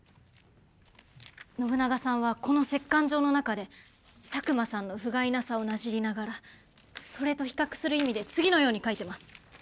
信長さんはこの折かん状の中で佐久間さんのふがいなさをなじりながらそれと比較する意味で次のように書いてます。